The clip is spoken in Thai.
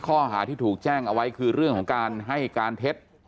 ข้อหาที่ถูกแจ้งเอาไว้คือเรื่องของการให้การเท็จ